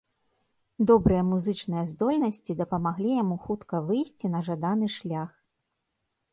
Добрыя музычныя здольнасці дапамаглі яму хутка выйсці на жаданы шлях.